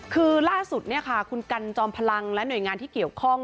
คือล่าสุดคุณกันจอมพลังและหน่วยงานที่เกี่ยวข้อง